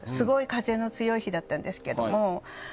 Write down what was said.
風の強い日だったんですけど。